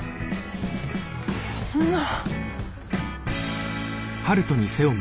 そんな。